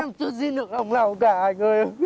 em chưa xin được lòng nào cả anh ơi